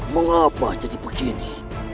mengapa jadi begini